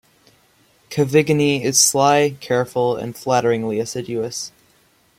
Cavigini is sly, careful, and flatteringly assiduous.